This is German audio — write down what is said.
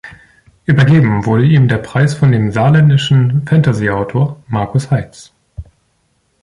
Übergeben wurde ihm der Preis von dem saarländischen Fantasy-Autor Markus Heitz.